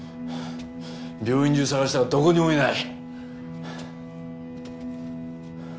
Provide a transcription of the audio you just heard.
病院中捜したがどこにもいない。